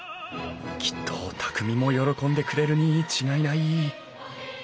きっと匠も喜んでくれるに違いない。